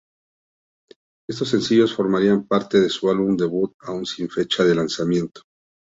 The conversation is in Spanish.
Estos sencillos formarían parte de su álbum debut aún sin fecha de lanzamiento.